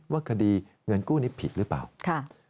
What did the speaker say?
ว่าคดีเงินกู้นี้ผิดหรือเปล่า